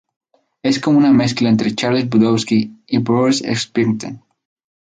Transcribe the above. Es como una mezcla entre Charles Bukowski y Bruce Springsteen.